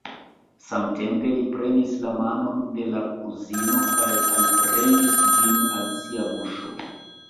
Samtempe li prenis la manon de la kuzino kaj alpremis ĝin al sia buŝo.